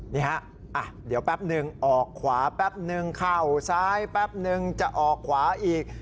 นี่ฮะเดี๋ยวแป๊บนึงออกขวาแป๊บนึงเข้าซ้ายแป๊บนึงจะออกขวาอีก